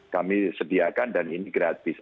kami sediakan dan ini gratis